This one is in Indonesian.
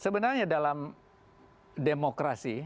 misalnya dalam demokrasi